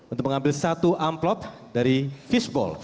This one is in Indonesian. untuk mengambil satu amplop dari fishball